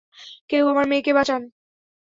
কেউ আমার মেয়েকে বাঁচান।